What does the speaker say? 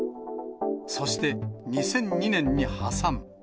そして、２００２年に破産。